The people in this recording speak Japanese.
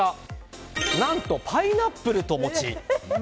何とパイナップルと餅。